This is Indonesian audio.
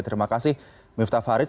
terima kasih miftah farid